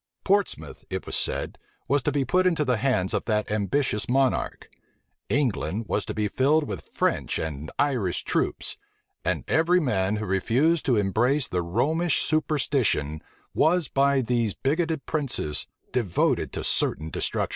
Portsmouth, it was said, was to be put into the hands of that ambitious monarch: England was to be filled with French and Irish troops: and every man who refused to embrace the Romish superstition, was by these bigoted princes devoted to certain destruction.